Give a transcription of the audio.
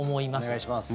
お願いします。